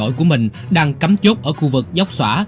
đồng đội của mình đang cắm chốt ở khu vực dốc xỏa